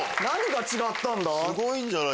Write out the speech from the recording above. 何が違ったんだ？